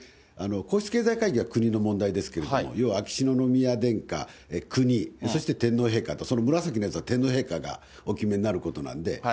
皇室経済会議は国の問題ですけれども、要は秋篠宮殿下、国、そして天皇陛下と、その紫のやつは天皇陛下がお決めになることなんで、